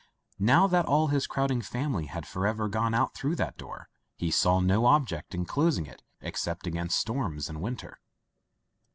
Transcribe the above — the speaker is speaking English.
Now that all his crowding family had forever gone out through that door, he saw no object in closing it except against storms and winter.